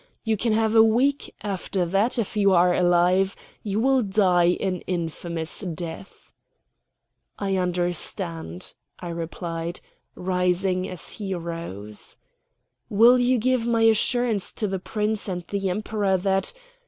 You can have a week; after that, if you are alive, you will die an infamous death." "I understand," I replied, rising as he rose. "Will you give my assurance to the Prince and the Emperor that